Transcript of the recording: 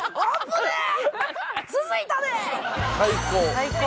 最高。